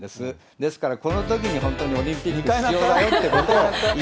ですからこのときに本当にオリンピック必要だよということを。